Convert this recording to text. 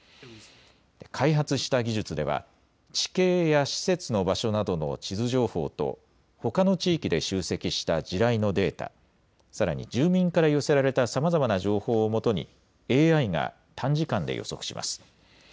開発した技術では地形や施設の場所などの地図情報とほかの地域で集積した地雷のデータ、さらに住民から寄せられたさまざまな情報をもとにＡＩが短時間で予測します。